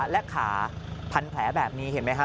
และขาพันแผลแบบนี้เห็นไหมครับ